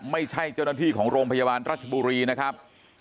ไม่ใช่เจ้าหน้าที่ของโรงพยาบาลรัชบุรีนะครับ